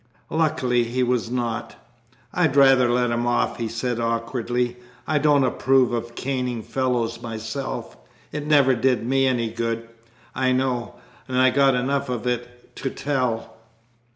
Luckily he was not. "I'd rather let him off," he said awkwardly; "I don't approve of caning fellows myself. It never did me any good, I know, and I got enough of it to tell."